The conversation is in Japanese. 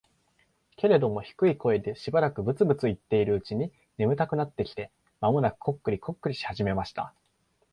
けれども、低い声でしばらくブツブツ言っているうちに、眠たくなってきて、間もなくコックリコックリし始めました。